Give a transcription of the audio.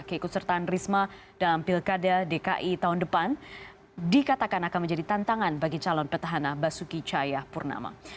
keikutsertaan risma dalam pilkada dki tahun depan dikatakan akan menjadi tantangan bagi calon petahana basuki cahayapurnama